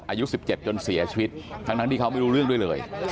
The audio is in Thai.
อายุ๑๗จนเสียชีวิตทั้งที่เขาไม่รู้เรื่องด้วยเลย